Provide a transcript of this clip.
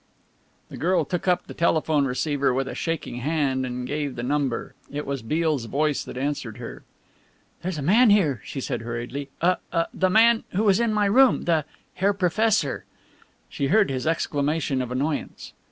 The girl took up the telephone receiver with a shaking hand and gave the number. It was Beale's voice that answered her. "There's a man here," she said hurriedly, "a a the man who was in my room the Herr Professor." She heard his exclamation of annoyance.